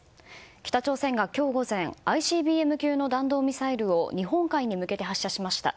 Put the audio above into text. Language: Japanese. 北朝鮮が今日午前ＩＣＢＭ級の弾道ミサイルを日本海に向けて発射しました。